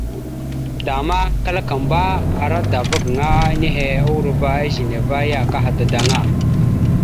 Zlama kǝlakamba, ara dava gaŋa nehe urova ezine va ya akaha dadaŋa.